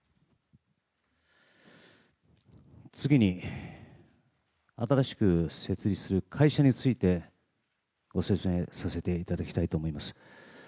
次に、新しく設立する会社についてご説明させていただきたいと思います。